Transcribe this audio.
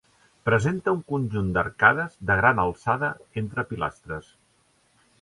Presenta un conjunt d'arcades de gran alçada entre pilastres.